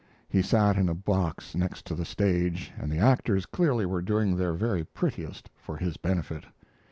He sat in a box next to the stage, and the actors clearly were doing their very prettiest for his benefit.